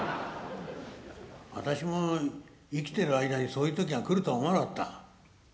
私も生きてる間にそういう時が来るとは思わなかった。